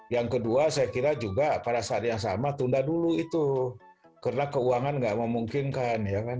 yang kedua saya kira juga pada saat yang sama tunda dulu itu karena keuangan nggak memungkinkan